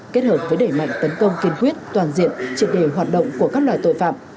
kết hợp với đẩy mạnh tấn công kiên quyết toàn diện triệt đề hoạt động của các loại tội phạm